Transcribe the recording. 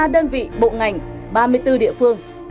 một mươi đơn vị bộ ngành ba mươi bốn địa phương